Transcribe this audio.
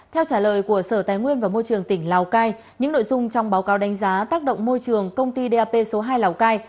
theo trả lời của sở tài nguyên và môi trường tỉnh lào cai những nội dung trong báo cáo đánh giá tác động môi trường công ty dap số hai lào cai